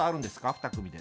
２組で。